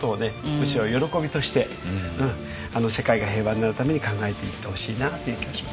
むしろ喜びとして世界が平和になるために考えていってほしいなという気がしますね。